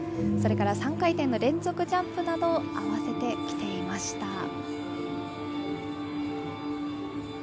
それから３回転の連続ジャンプなど合わせてきていました。